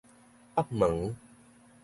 北門